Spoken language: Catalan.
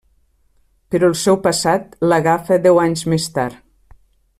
Però el seu passat l'agafa deu anys més tard.